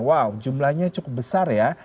wow jumlahnya cukup besar ya